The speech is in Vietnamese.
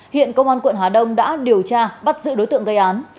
hiện công an quận hà đông đã điều tra bắt giữ đối tượng gây án